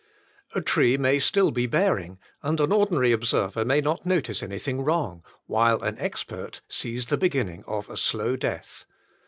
A tree may still be bearing, and an ordinary ob server may not notice anything wrong, while an expert sees the beginning of a slow death.